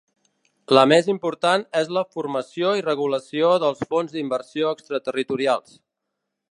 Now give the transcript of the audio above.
La més important és la formació i regulació dels fons d'inversió extraterritorials.